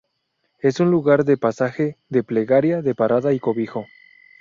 Es un lugar de pasaje, de plegaria, de parada y cobijo.